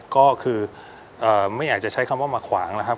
ก็คือไม่อยากจะใช้คำว่ามาขวางนะครับ